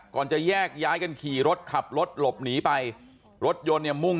จะแยกย้ายกันขี่รถขับรถหลบหนีไปรถยนต์เนี่ยมุ่ง